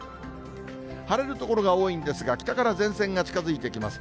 晴れる所が多いんですが、北から前線が近づいてきます。